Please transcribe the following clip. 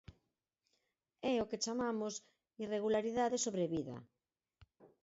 É o que chamamos irregularidade sobrevida.